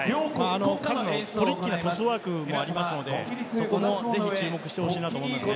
彼のトリッキーなパスワークもありますのでそこもぜひ注目してほしいと思います。